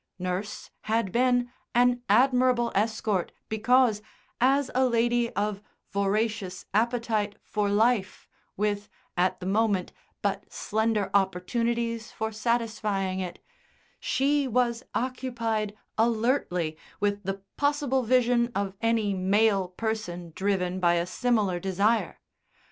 Nurse had been an admirable escort because, as a lady of voracious appetite for life with, at the moment, but slender opportunities for satisfying it, she was occupied alertly with the possible vision of any male person driven by a similar desire.